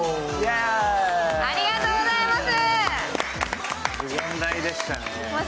ありがとうございます。